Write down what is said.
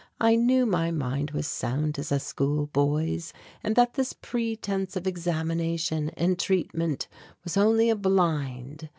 I knew my mind was sound as a schoolboy's, and that this pretence of examination and treatment was only a blind.